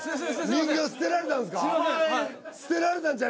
人形捨てられたんすか！？